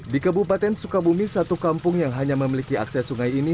di kabupaten sukabumi satu kampung yang hanya memiliki akses sungai ini